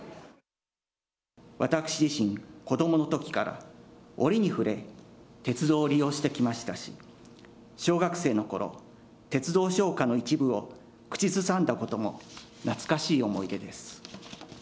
私自身、子どものときから折に触れ、鉄道を利用してきましたし、小学生のころ、鉄道唱歌の一部を口ずさんだことも懐かしい思い出です。